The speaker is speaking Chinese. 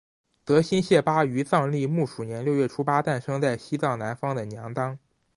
德新谢巴于藏历木鼠年六月初八诞生在西藏南方的娘当。